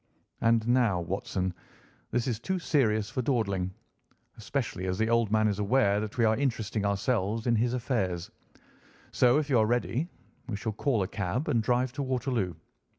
And now, Watson, this is too serious for dawdling, especially as the old man is aware that we are interesting ourselves in his affairs; so if you are ready, we shall call a cab and drive to Waterloo.